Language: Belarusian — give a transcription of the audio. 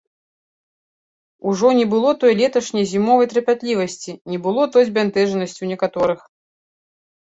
Ужо не было той леташняй зімовай трапятлівасці, не было той збянтэжанасці ў некаторых.